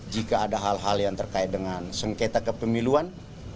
jika ada hal hal yang terkait dengan sengketa kepemiluan